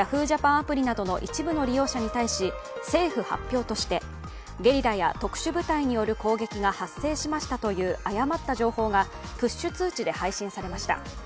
アプリなどの一部の利用者に対し政府発表として、ゲリラや特殊部隊による攻撃が発生しましたという誤った情報がプッシュ通知で配信されました。